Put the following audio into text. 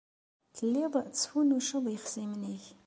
Telliḍ tesfunnuceḍ ixṣimen-nnek.